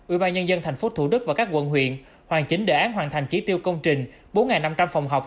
ubnd tp thủ đức và các quận huyện hoàn chính đề án hoàn thành chỉ tiêu công trình bốn năm trăm linh phòng học